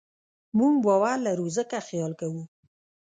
موږ باور لرو؛ ځکه خیال کوو.